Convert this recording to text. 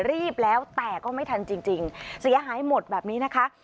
รีบแล้วแต่ก็ไม่ทันจริงเสียหายหมดแบบนี้นะคะ